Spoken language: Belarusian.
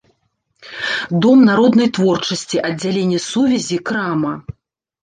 Дом народнай творчасці, аддзяленне сувязі, крама.